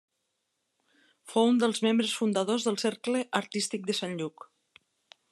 Fou un dels membres fundadors del Cercle Artístic de Sant Lluc.